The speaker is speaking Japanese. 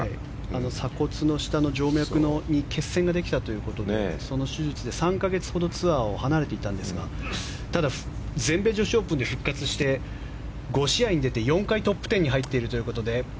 鎖骨の下の静脈に血栓ができたということでその手術で３か月ほどツアーを離れていたんですが全米女子オープンで復活して５試合出て４回トップ１０に入っているということで。